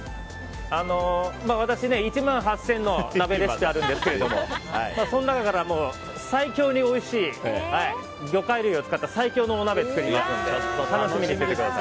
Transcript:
私１万８０００の鍋レシピあるんですけどもその中から最強においしい魚介類を使った最強のお鍋を作りますので楽しみにしてください。